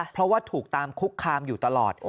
เพราะว่าถูกตามคุกคามอยู่ตลอด